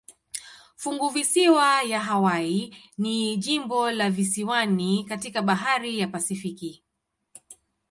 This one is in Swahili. Funguvisiwa ya Hawaii ni jimbo la visiwani katika bahari ya Pasifiki.